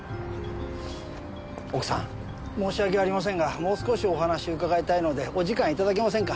奥さん申し訳ありませんがもう少しお話伺いたいのでお時間頂けませんか？